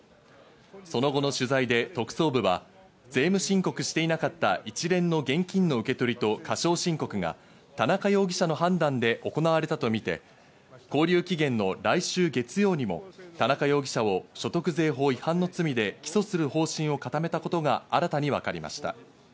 その後の取材で特捜部は税務申告していなかったとされる一連の現金の受け取りと過小申告が田中容疑者の判断で行われたとみて、勾留期限の来週月曜にも田中容疑者を所得税法違反の罪で起訴する方針を固めたことが新たに分かりました。